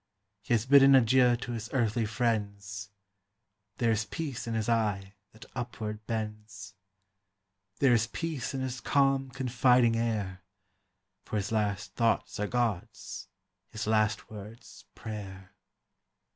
He has bidden adieu to his earthly friends; There is peace in his eye that upward bends; There is peace in his calm, confiding air; For his last thoughts are God's, his last words prayer.